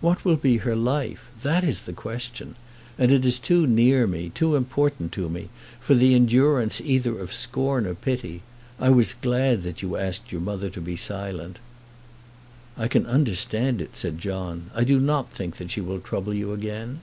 What will be her life? That is the question. And it is too near me, too important to me, for the endurance either of scorn or pity. I was glad that you asked your mother to be silent." "I can understand it," said John. "I do not think that she will trouble you again."